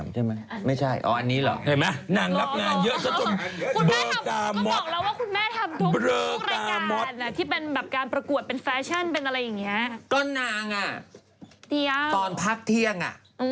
เตียี๊ตอนพักเที่ยง